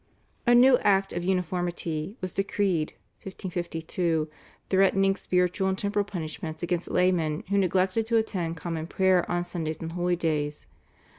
A new Act of Uniformity was decreed (1552) threatening spiritual and temporal punishments against laymen who neglected to attend common prayer on Sundays and holidays.